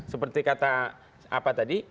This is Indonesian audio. seperti kata apa tadi